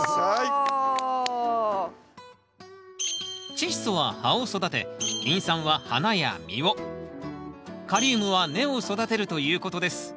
チッ素は葉を育てリン酸は花や実をカリウムは根を育てるということです。